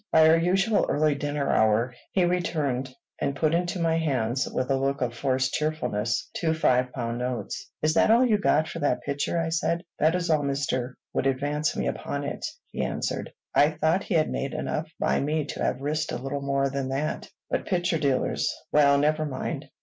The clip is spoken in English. By our usual early dinner hour, he returned, and put into my hands, with a look of forced cheerfulness, two five pound notes. "Is that all you got for that picture?" I said. "That is all Mr. would advance me upon it," he answered. "I thought he had made enough by me to have risked a little more than that; but picture dealers Well, never mind.